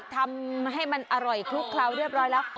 ทำให้มันอร่อยคลุกเคล้าเรียบร้อยแล้ว